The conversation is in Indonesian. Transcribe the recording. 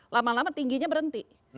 lama lama tingginya berhenti